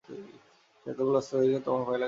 তো এতগুলো অস্ত্র দেখে তোমার ভয় লাগেনা?